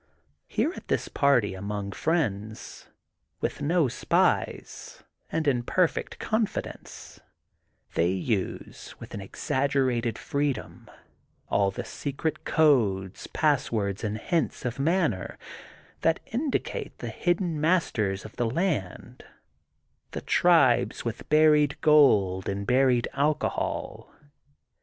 Here, at this party among friends, with no spies, and in perfect confidence, they use with an exaggerated freedom all the secret codes, passwords, and hints of manner that indicate the hidden masters of the land, the tribes with buried gold and buried alcohol.